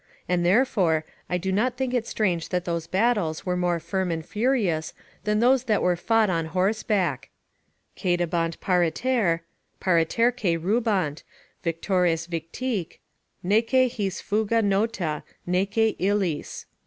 And, therefore, I do not think it strange that those battles were more firm and furious than those that are fought on horseback: "Caedebant pariter, pariterque ruebant Victores victique; neque his fuga nota, neque illis."